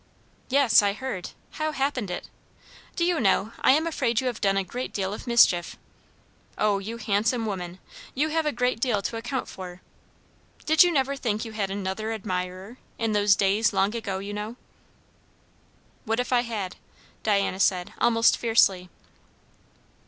"Yes, I heard. How happened it? Do you know, I am afraid you have done a great deal of mischief? O, you handsome women! you have a great deal to account for. Did you never think you had another admirer? in those days long ago, you know?" "What if I had?" Diana said almost fiercely.